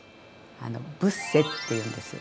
あのブッセっていうんですよ。